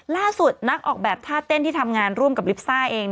ล่าสุดนักออกแบบท่าเต้นที่ทำงานร่วมกับลิซ่าเอง